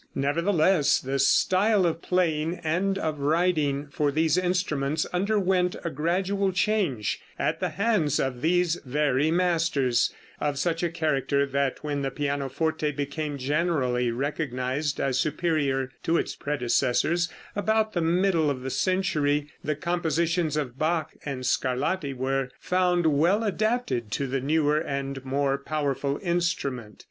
Nevertheless the style of playing and of writing for these instruments underwent a gradual change at the hands of these very masters, of such a character that when the pianoforte became generally recognized as superior to its predecessors, about the middle of the century, the compositions of Bach and Scarlatti were found well adapted to the newer and more powerful instrument.